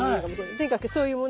とにかくそういうものだから。